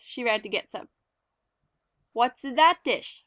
She ran to get some. "What is in that dish?"